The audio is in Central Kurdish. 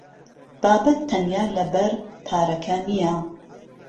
بابەت تەنیا لەبەر پارەکە نییە.